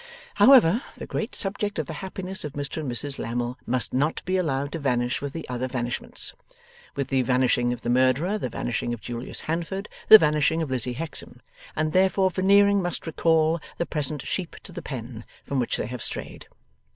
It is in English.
However, the great subject of the happiness of Mr and Mrs Lammle must not be allowed to vanish with the other vanishments with the vanishing of the murderer, the vanishing of Julius Handford, the vanishing of Lizzie Hexam, and therefore Veneering must recall the present sheep to the pen from which they have strayed.